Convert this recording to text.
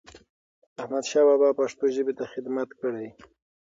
احمدشاه بابا پښتو ژبې ته خدمت کړی.